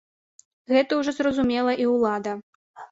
Гэта ўжо зразумела і ўлада.